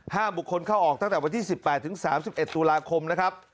บุคคลเข้าออกตั้งแต่วันที่๑๘ถึง๓๑ตุลาคมนะครับ